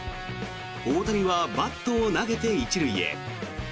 大谷はバットを投げて１塁へ。